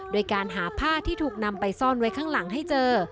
โดยการหาผ้าที่ถูกนำไปซ่อนไว้ข้างหลังให้เจอ